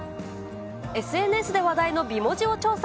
ＳＮＳで話題の美文字を調査。